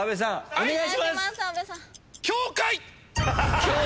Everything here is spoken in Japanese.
お願いします。